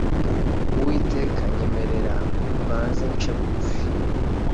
Uwiteka nyemerera mbanze nce bugufi